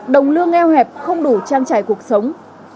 đồng lương eo hẹp không đủ trang trải cuộc sống